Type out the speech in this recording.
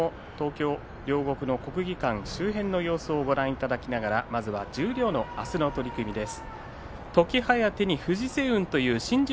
両国国技館周辺の様子をご覧いただきながら十両の明日の取組です。